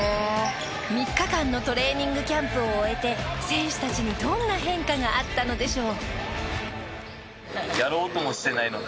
３日間のトレーニングキャンプを終えて選手たちにどんな変化があったのでしょう？